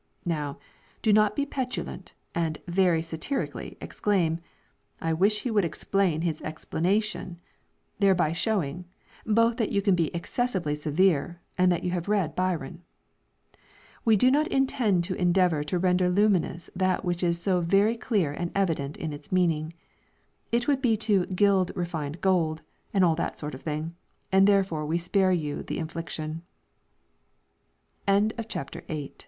Now do not be petulant, and very satirically exclaim, "I wish he would explain his explanation," thereby showing, both that you can be excessively severe, and that you have read Byron. We do not intend to endeavour to render luminous that which is so very clear and evident in its meaning; it would be to "gild refined gold," and all that sort of thing, and therefore we spare you the infliction. CHAPTER IX.